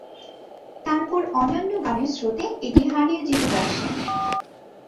তারপর অন্যান্য গানের স্রোতে এটি হারিয়ে যেতে বসে।